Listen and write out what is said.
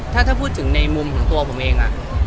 ถ้าพูดถึงในมุมของตัวผมเอง